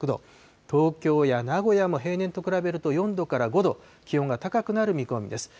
東京や名古屋も平年と比べると、４度から５度、気温が高くなる見込みです。